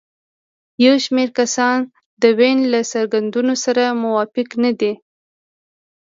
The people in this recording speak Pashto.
یو شمېر کسان د وین له څرګندونو سره موافق نه دي.